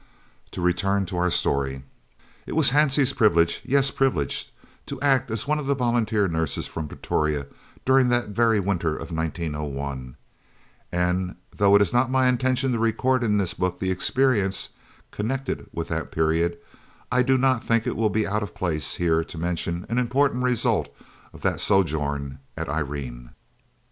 To return to our story. It was Hansie's privilege yes, privilege to act as one of the volunteer nurses from Pretoria during that very winter of 1901, and though it is not my intention to record in this book the experience connected with that period, I do not think it will be out of place here to mention an important result of that sojourn at Irene.